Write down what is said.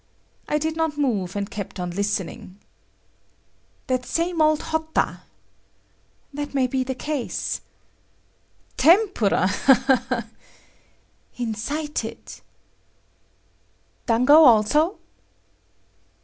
I did not move, and kept on listening. "That same old Hotta," "that may be the case…." "Tempura …… ha, ha, ha ……""…… incited ……""…… dango also?